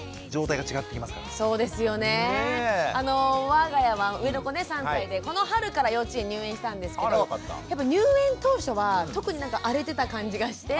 わが家は上の子ね３歳でこの春から幼稚園入園したんですけど入園当初は特に荒れてた感じがして。